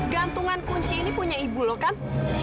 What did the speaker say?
gantungan kunci ini punya ibu loh kan